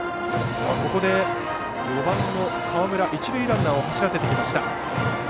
ここで４番の河村一塁ランナーを走らせてきた。